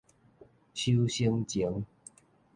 收成前